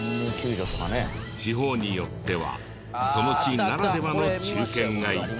地方によってはその地ならではの忠犬がいて。